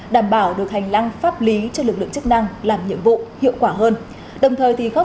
đảm bảo được hành lăng pháp lý cho lực lượng chức năng làm nhiệm vụ hiệu quả hơn đồng thời thì góp